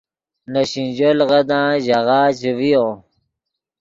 نے سینجو لیغدان ژاغہ چے ڤیو